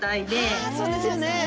ああそうですよね！